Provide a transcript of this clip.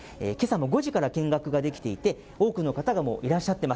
けさも５時から見学ができていて、多くの方がもういらっしゃってい